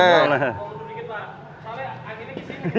soalnya anginnya ke sini